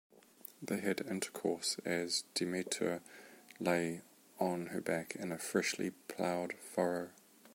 They had intercourse as Demeter lay on her back in a freshly plowed furrow.